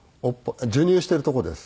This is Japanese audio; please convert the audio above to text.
授乳しているとこです。